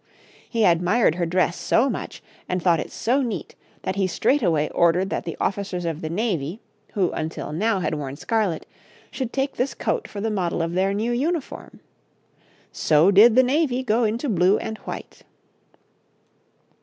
He admired her dress so much and thought it so neat that he straightway ordered that the officers of the navy, who, until now, had worn scarlet, should take this coat for the model of their new uniform. So did the navy go into blue and white.